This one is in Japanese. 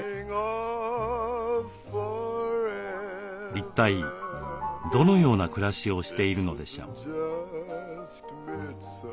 一体どのような暮らしをしているのでしょう？